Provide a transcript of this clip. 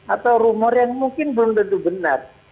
atau rumor yang mungkin belum tentu benar